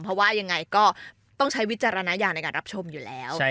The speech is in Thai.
เพราะว่ายังไงก็ต้องใช้วิจารณญาณในการรับชมอยู่แล้ว